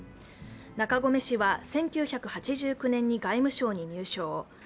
中込氏は１９８９年に外務省に入省。